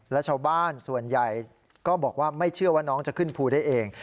และชาวบ้านส่วนใหญ่ก็บอกว่าไม่เชื่อว่าน้องจะขึ้นภูได้เอง